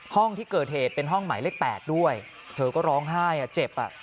ห้องที่เกิดเหตุเป็นห้องหมายเลข๘ด้วยเธอก็ร้องไห้เจ็บอ่ะ